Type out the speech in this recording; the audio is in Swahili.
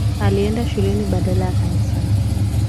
Alienda shuleni badala ya kanisani